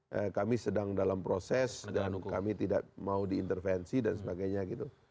ya kami sedang dalam proses dan kami tidak mau diintervensi dan sebagainya gitu